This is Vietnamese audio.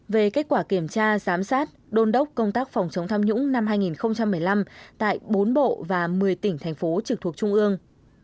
về kết quả kiểm tra giám sát đôn đốc công tác phòng chống tham nhũng năm hai nghìn một mươi năm tại bốn bộ và một mươi tỉnh thành phố trực thuộc trung ương